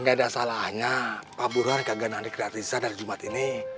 gak ada salahnya pak buruhan gak nanti kreatifan dari jumat ini